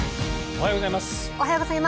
おはようございます。